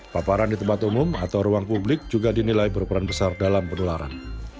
paparan di tempat umum atau ruang publik juga dinilai berperan besar dalam penularan